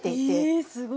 えっすごい！